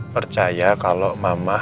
percaya kalau mama